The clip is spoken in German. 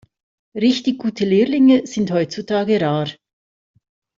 Richtig gute Lehrlinge sind heutzutage rar.